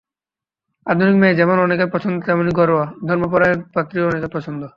আধুনিক মেয়ে যেমন অনেকের পছন্দ তেমনি ঘরোয়া, ধর্মপরায়ণ পাত্রীও অনেকের পছন্দ।